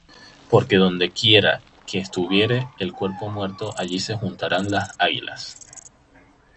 Porque donde quiera que estuviere el cuerpo muerto, allí se juntarán las águilas.